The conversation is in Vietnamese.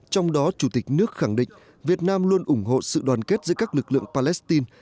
trong đó chủ tịch nước khẳng định việt nam luôn ủng hộ sự đoàn kết giữa các lực lượng palestine